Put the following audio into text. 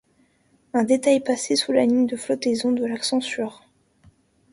Un détail passé sous la ligne de flottaison de la censure.